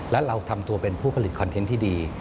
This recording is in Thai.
และเราทำตัวเป็นผู้ผลิตคอนเทนต์ที่ดี